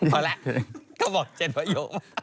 พอแล้วเขาบอก๗ประโยค